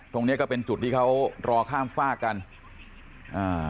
ตรงเนี้ยก็เป็นจุดที่เขารอข้ามฝากกันอ่า